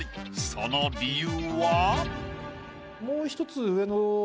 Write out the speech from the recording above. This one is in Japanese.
その理由は？